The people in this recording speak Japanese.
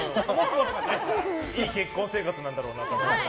いい結婚生活なんだろうな。